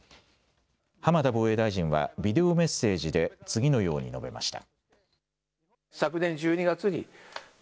浜田防衛大臣はビデオメッセージで次のように述べました。